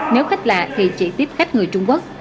nếu khách lạ thì chỉ tiếp khách người trung quốc